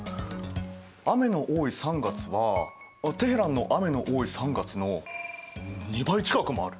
雨の多い３月はテヘランの雨の多い３月の２倍近くもある。